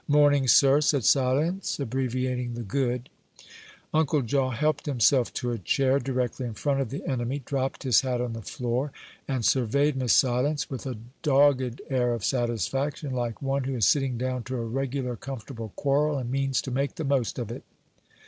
"Morning, sir," said Silence, abbreviating the "good." Uncle Jaw helped himself to a chair directly in front of the enemy, dropped his hat on the floor, and surveyed Miss Silence with a dogged air of satisfaction, like one who is sitting down to a regular, comfortable quarrel, and means to make the most of it.